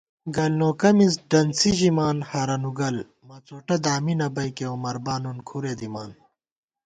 گلنوکہ مِز ڈنڅی ژِمان ہرَنُوگل، مڅوٹہ دامی نہ بئیکےعمربا نُن کھرےدِمان